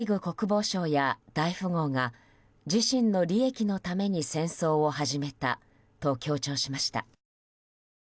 特別軍事作戦についてもショイグ国防相や大富豪が自身の利益のために戦争を始めたと強調しました。